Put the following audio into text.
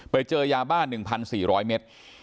ไปเจอยาบ้าน๑๔๐๐เมตร